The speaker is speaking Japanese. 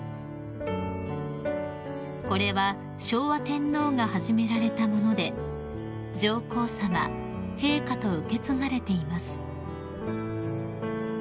［これは昭和天皇が始められたもので上皇さま陛下と受け継がれています］